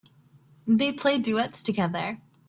They play duets together.